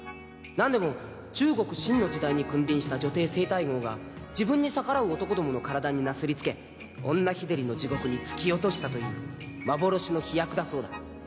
なんでも中国清の時代に君臨した女帝西太后が自分に逆らう男どもの体になすり付け女日照りの地獄に突き落としたという幻の秘薬だそうだ